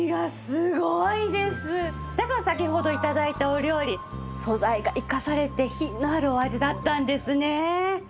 だから先ほど頂いたお料理素材が生かされて品のあるお味だったんですね。